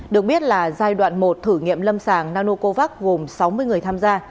được biết là giai đoạn một thử nghiệm lâm sàng nanocovax gồm sáu mươi người tham gia